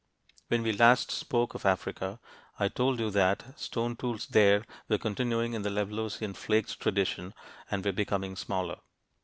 When we last spoke of Africa (p. 66), I told you that stone tools there were continuing in the Levalloisian flake tradition, and were becoming smaller.